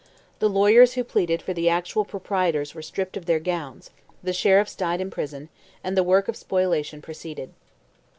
The lawyers who pleaded for the actual proprietors were stripped of their gowns, the sheriff died in prison, and the work of spoliation proceeded.